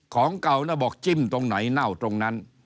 ของเก่าแล้วบอกจิ้มตรงไหนเน่าตรงนั้น